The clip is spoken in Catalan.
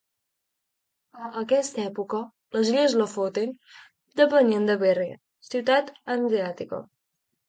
A aquesta època, les illes Lofoten depenien de Bergen, ciutat hanseàtica.